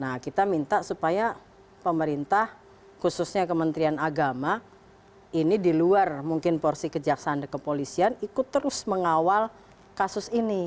nah kita minta supaya pemerintah khususnya kementerian agama ini di luar mungkin porsi kejaksaan dan kepolisian ikut terus mengawal kasus ini